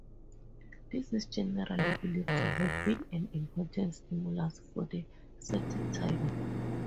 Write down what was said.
This is generally believed to have been an important stimulus for the Celtic Tiger.